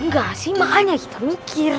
enggak sih makanya kita mikir